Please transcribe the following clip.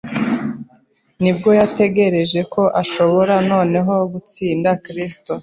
Ni bwo yatekereje ko ashobora noneho gutsinda Kristo.